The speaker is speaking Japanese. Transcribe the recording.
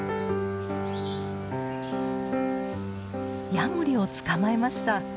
ヤモリを捕まえました。